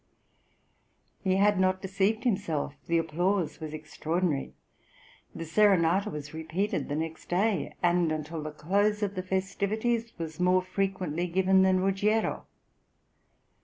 He had not deceived himself, the applause was extraordinary; the serenata was repeated the next day, and until the close of the festivities was more frequently given than "Ruggiero."